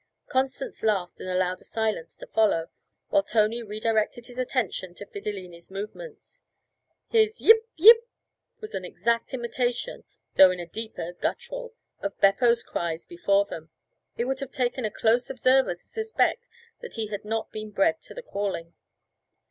Constance laughed and allowed a silence to follow, while Tony redirected his attention to Fidilini's movements. His 'Yip! Yip!' was an exact imitation, though in a deeper guttural, of Beppo's cries before them. It would have taken a close observer to suspect that he had not been bred to the calling.